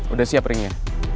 udah siap ringnya